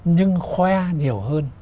nhưng khoe nhiều hơn